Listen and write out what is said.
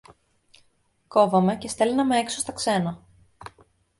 κόβαμε και στέλναμε έξω στα ξένα